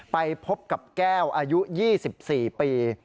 ไปพบกับแก้วอายุ๒๔ปี